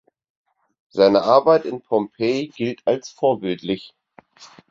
Seine Arbeit in Pompeji gilt als vorbildlich.